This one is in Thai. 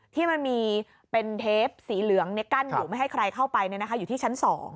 ที่มันมีเป็นเทปสีเหลืองกั้นอยู่ไม่ให้ใครเข้าไปอยู่ที่ชั้น๒